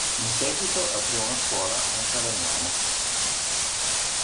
In seguito aprì una scuola anche a Legnano.